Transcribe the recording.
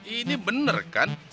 ini bener kan